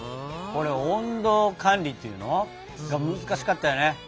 これ温度管理っていうの？が難しかったよね。